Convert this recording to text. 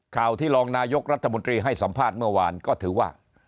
ข่าวที่รองนายกรัฐมนตรีให้สัมภาษณ์เมื่อวานก็ถือว่า